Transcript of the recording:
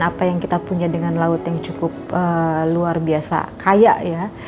apa yang kita punya dengan laut yang cukup luar biasa kaya ya